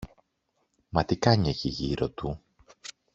Μα τι κάνει εκεί γύρω του;